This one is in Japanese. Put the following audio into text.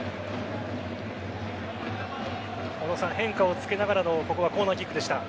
変化をつけながらのコーナーキックでした。